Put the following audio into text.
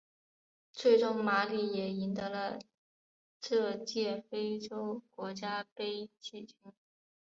最终马里也赢得了这届非洲国家杯季军。